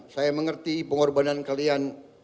saya mengerti pengorbanan kalian